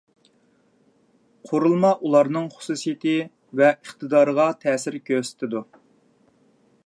قۇرۇلما ئۇلارنىڭ خۇسۇسىيىتى ۋە ئىقتىدارىغا تەسىر كۆرسىتىدۇ.